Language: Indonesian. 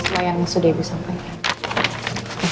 bayangin sudah ibu sampaikan